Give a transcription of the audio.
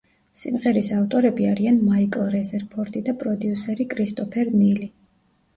სიმღერის ავტორები არიან მაიკ რეზერფორდი და პროდიუსერი კრისტოფერ ნილი.